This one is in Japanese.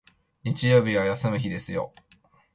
日曜日は休む日ですよ